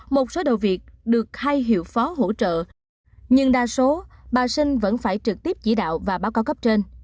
một số đầu việc được hai hiệu phó hỗ trợ nhưng đa số bà sinh vẫn phải trực tiếp chỉ đạo và báo cáo cấp trên